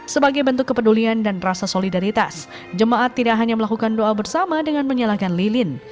sebagai bentuk kepedulian dan rasa solidaritas jemaat tidak hanya melakukan doa bersama dengan menyalakan lilin